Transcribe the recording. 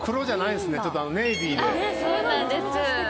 そうなんです。